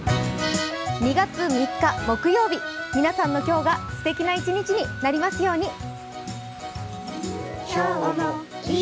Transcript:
２月３日、木曜日皆さんの今日がすてきな一日になりますように。